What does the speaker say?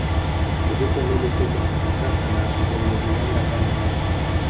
Zipo meli kubwa za kisasa na zenye viwanda ndani yake